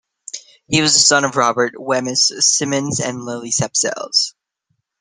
He was the son of Robert Wemyss Symonds and Lily Sapzells.